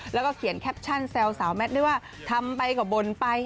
แล้วก็เขียนแคปชั่นแซวสาวแมทด้วยว่าทำไปก็บ่นไป